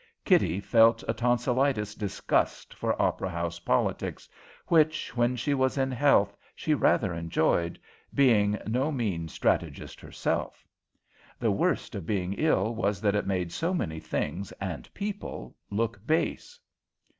Kitty felt a tonsilitis disgust for opera house politics, which, when she was in health, she rather enjoyed, being no mean strategist herself. The worst of being ill was that it made so many things and people look base.